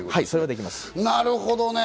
なるほどね。